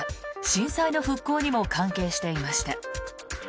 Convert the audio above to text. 震災の復興にも関係していました。